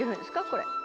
これ。